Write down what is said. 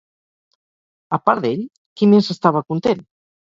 A part d'ell, qui més estava content?